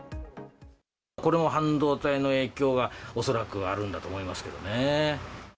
これも半導体の影響が恐らくあるんだと思いますけどね。